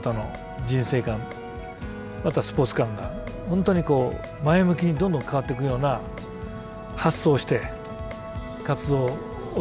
またスポーツ観が本当に前向きにどんどん変わっていくような発想をして活動をお互いつくっていく。